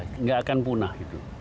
tidak akan punah